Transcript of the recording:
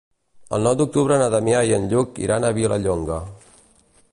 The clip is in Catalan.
El nou d'octubre na Damià i en Lluc iran a Vilallonga.